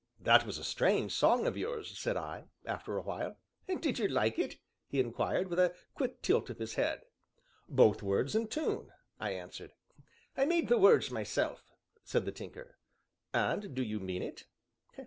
"That was a strange song of yours," said I, after a while. "Did you like it?" he inquired, with a quick tilt of his head. "Both words and tune," I answered. "I made the words myself," said the Tinker. "And do you mean it?"